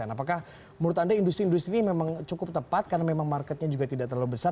apakah menurut anda industri industri ini memang cukup tepat karena memang marketnya juga tidak terlalu besar